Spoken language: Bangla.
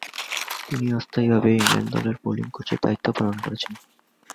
তিনি অস্থায়ীভাবে ইংল্যান্ড দলের বোলিং কোচের দায়িত্ব পালন করেছেন।